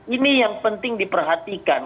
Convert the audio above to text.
ini yang penting diperhatikan